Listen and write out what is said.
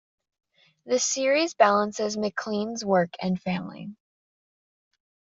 The series balances McLean's work and family.